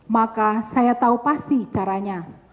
maka saya tahu pasti caranya